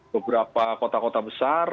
beberapa kota kota besar